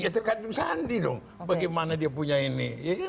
ya tergantung sandi dong bagaimana dia punya ini